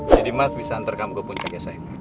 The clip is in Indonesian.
jadi mas bisa antar kamu ke puncak ya sayang